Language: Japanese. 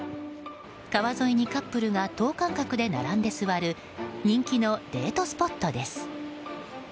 川沿いにカップルが等間隔で並んで座る人気のデートスポットです。